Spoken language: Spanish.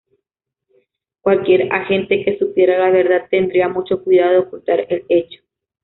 Cualquier agente que supiera la verdad tendría mucho cuidado de ocultar el hecho.